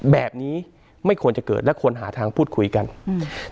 แบบนี้ไม่ควรจะเกิดและควรหาทางพูดคุยกันอืม